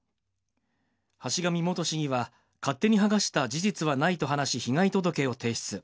橋上元市議は、勝手に剥がした事実はないと話し、被害届を提出。